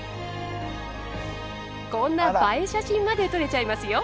こんな映え写真まで撮れちゃいますよ。